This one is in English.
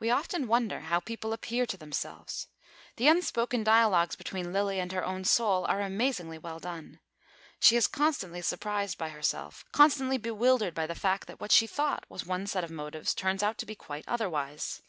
We often wonder how people appear to themselves. The unspoken dialogues between Lilly and her own soul are amazingly well done. She is constantly surprised by herself, constantly bewildered by the fact that what she thought was one set of motives, turns out to be quite otherwise.